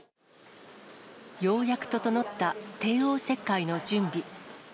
ようやく整った帝王切開の準備。